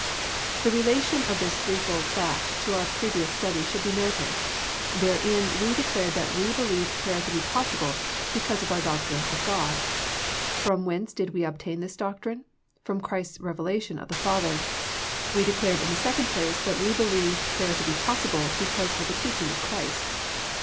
The relation of this threefold fact to our previous study should be noted. Therein we de clared that we believe prayer to be possible be cause of our doctrine of God. From whence did we obtain this doctrine ? From Christ's revela tion of the Father. We declared in the second place, that we believe prayer to be possible be cause of the teaching of Christ.